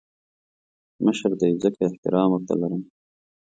مشر دی ځکه احترام ورته لرم